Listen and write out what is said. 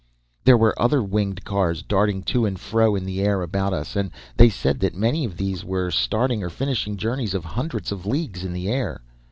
"There were other winged cars darting to and fro in the air about us, and they said that many of these were starting or finishing journeys of hundreds of leagues in the air.